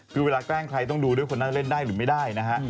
คือเวลาแกล้งใครต้องดูด้วยคนนั้นเล่นได้หรือไม่ได้นะฮะ